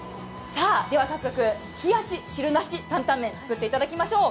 では早速、冷やし汁なし担担麺作っていただきましょう。